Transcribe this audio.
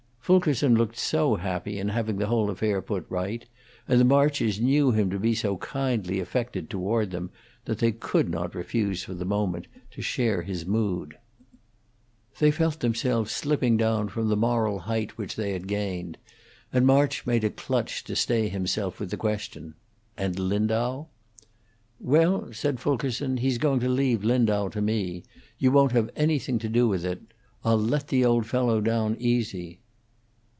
Fulkerson looked so happy in having the whole affair put right, and the Marches knew him to be so kindly affected toward them, that they could not refuse for the moment to share his mood. They felt themselves slipping down from the moral height which they had gained, and March made a clutch to stay himself with the question, "And Lindau?" "Well," said Fulkerson, "he's going to leave Lindau to me. You won't have anything to do with it. I'll let the old fellow down easy."